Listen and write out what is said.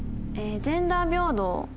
「ジェンダー平等」。